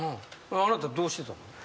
あなたどうしてたの？